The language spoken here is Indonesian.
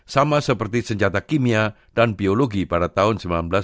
sama seperti senjata kimia dan biologi pada tahun dua ribu dua puluh